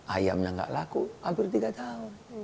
ayamnya nggak laku hampir tiga tahun